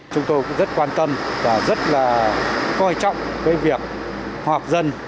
chúng tôi cũng rất quan tâm và rất là coi trọng cái việc họp dân